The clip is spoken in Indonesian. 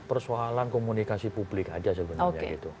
persoalan komunikasi publik aja sebenarnya gitu